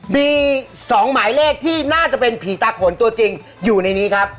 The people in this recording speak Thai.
มี๒หมายเลขที่น่าจะเป็นผีตาขนตัวจริงอยู่ในนี้ครับ